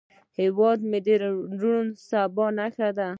هیواد مې د روڼ سبا نښه ده